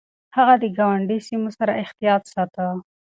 هغه د ګاونډي سيمو سره احتياط ساته.